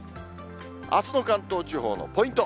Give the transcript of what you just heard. あすの関東地方のポイント。